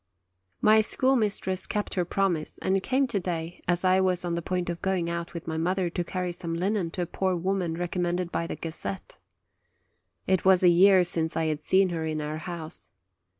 My schoolmistress kept her promise, and came to day just as I was on the point of going out with my mother to carry some linen to a poor woman recom mended by the Gazette. It was a year since I had seen her in our house.